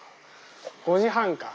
５時半か。